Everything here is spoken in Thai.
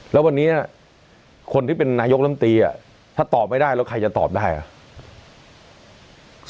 แล้ววันนี้คนที่เป็นนายกลำตีถ้าตอบไม่ได้แล้วใครจะตอบได้อ่ะ